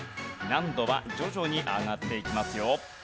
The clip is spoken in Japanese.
難度は徐々に上がっていきますよ。